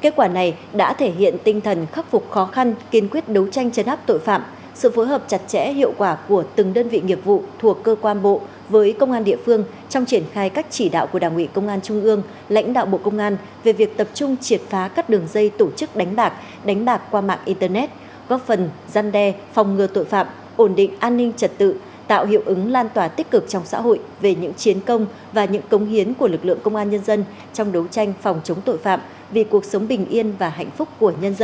kết quả này đã thể hiện tinh thần khắc phục khó khăn kiên quyết đấu tranh chấn áp tội phạm sự phối hợp chặt chẽ hiệu quả của từng đơn vị nghiệp vụ thuộc cơ quan bộ với công an địa phương trong triển khai các chỉ đạo của đảng ủy công an trung ương lãnh đạo bộ công an về việc tập trung triệt phá các đường dây tổ chức đánh bạc đánh bạc qua mạng internet góp phần giăn đe phòng ngừa tội phạm ổn định an ninh trật tự tạo hiệu ứng lan tòa tích cực trong xã hội về những chiến công và những công hiến của lực lượng công an nhân d